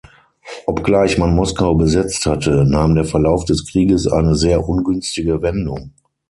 Obgleich man Moskau besetzt hatte, nahm der Verlauf des Krieges eine sehr ungünstige Wendung.